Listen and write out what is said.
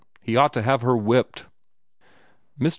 He ought to have her whipped." Mr.